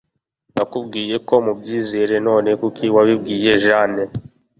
Nakubwiye ko mubyizere, none kuki wabibwiye Jane?